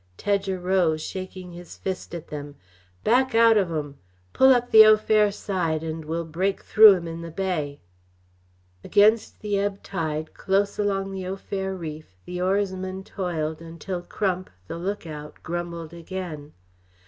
Tedge arose, shaking his fist at them. "Back out o' 'em! Pull up the Au Fer side, and we'll break through 'em in the bay!" Against the ebb tide close along Au Fer reef, the oarsman toiled until Crump, the lookout, grumbled again.